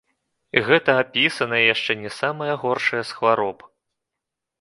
І гэта апісаная яшчэ не самая горшая з хвароб!